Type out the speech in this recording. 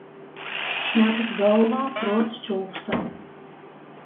Šņabs golvā – pruots čūkstā.